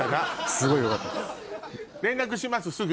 すごいよかったです。